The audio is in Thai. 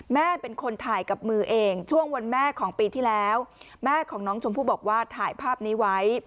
แม่เป็นคนถ่ายกับมือเองช่วงวันแม่ของปีที่แล้วแม่ของน้องชมพู่บอกว่าถ่ายภาพนี้ไว้